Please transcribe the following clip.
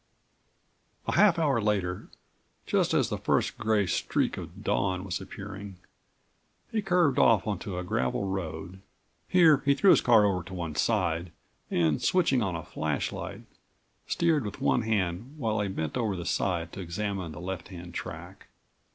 A half hour later, just as the first gray streak of dawn was appearing, he curved off onto a gravel road. Here he threw his car over to one side and, switching on a flashlight, steered with30 one hand while he bent over the side to examine the left hand track.